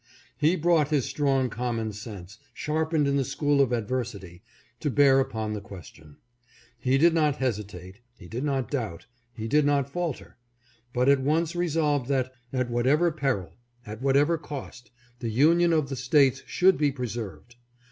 He brought his strong common sense, sharpened in the school of adversity, to bear upon the question. He did Lincoln's trust. 597 not hesitate, he did not doubt, he did not falter ; but at once resolved that, at whatever peril, at whatever cost, the union of the States should be preserved.